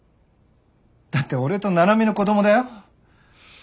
だって俺と七海の子供だよ？